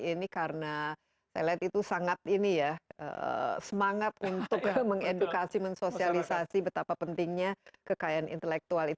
ini karena saya lihat itu sangat semangat untuk mengedukasi mensosialisasi betapa pentingnya kekayaan intelektual